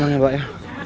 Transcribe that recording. bener ya pak ya